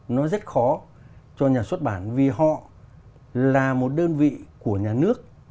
nó rất khó cho nhà xuất bản vì họ là một đơn vị của nhà nước